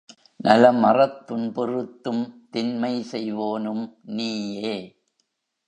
நலமறத் துன்பு றுத்தும் தின்மைசெய் வோனும் நீயே!